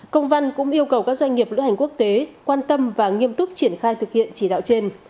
công văn cũng yêu cầu các doanh nghiệp lữ hành quốc tế quan tâm và nghiêm túc triển khai thực hiện chỉ đạo trên